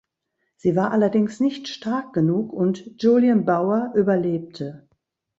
Sie war allerdings nicht stark genug und Julian Bower überlebte.